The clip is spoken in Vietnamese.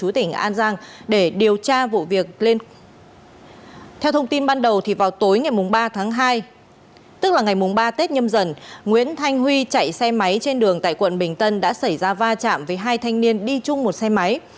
trong thời gian qua tết nhâm dần nguyễn thanh huy chạy xe máy trên đường tại quận bình tân đã xảy ra va chạm với hai thanh niên đi chung một xe máy